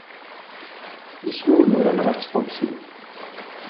Ismawen uran ɣef tqubbtin.